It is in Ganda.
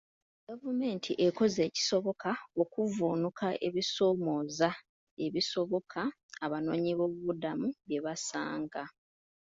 Gavumenti ekoze ekisoboka okuvvuunuka ebisoomooza ebisoboka abanoonyiboobubudamu bye basanga.